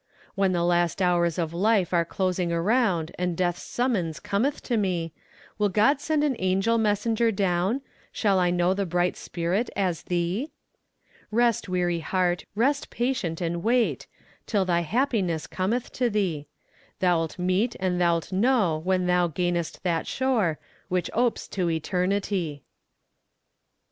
When the last hours of life are closing around And death's summons cometh to me; Will God send an angel messenger down? Shall I know the bright spirit as thee? Rest weary heart, rest patient and wait, Till thy happiness cometh to thee; Thou'lt meet and thou'lt know when thou gainest that shore Which opes to eternity.